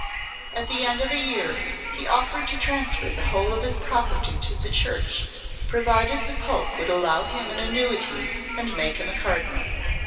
At the end of a year he offered to transfer the whole of his property to the Church, provided the Pope would allow him an annuity and make him a cardinal.